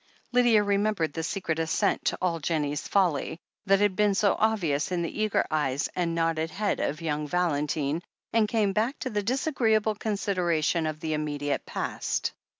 Lydia remembered the secret assent to all Jennie's folly, that had been so obvious in the eager eyes and nodded head of young Valentine, and came back to the disagreeable consideration of the immediate past.